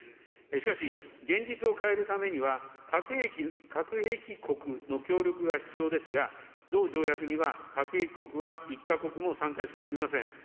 しかし、現実を変えるためには、核兵器国の協力が必要ですが、同条約には核兵器国は１か国も参加しておりません。